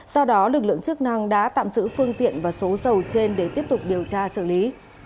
sau đó lực lượng chức năng đã tạm giữ phương tiện và số dầu trên để tiếp tục điều tra xử lý